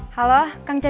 sampai jumpa lagi